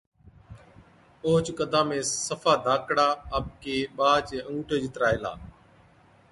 اوهچ قدا ۾ صفا ڌاڪڙا، آپڪي ٻا چي انگُوٽي جِترا هِلا۔